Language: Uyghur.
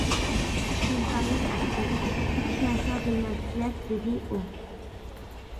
-ئىنتايىن ئەپسۇس. ھېچ نەرسە بىلمەپسىلەر-دېدى ئۇ.